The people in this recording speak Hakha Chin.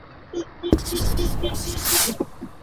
Dawr ah a kal.